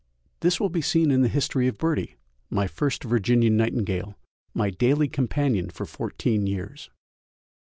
This will be seen in the history of Birdie, my first Virginian nightingale, my daily companion for fourteen years.